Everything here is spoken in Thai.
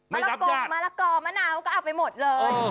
ละกอมะละกอมะนาวก็เอาไปหมดเลย